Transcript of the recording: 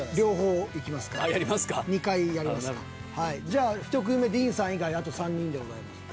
じゃあ１組目ディーンさん以外あと３人でございます。